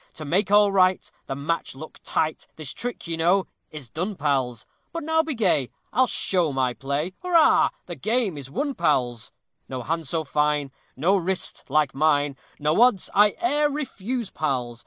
To make all right, the match look tight, This trick, you know, is done, pals; But now be gay, I'll show my play Hurrah! the game is won, pals. No hand so fine, No wrist like mine, No odds I e'er refuse, pals.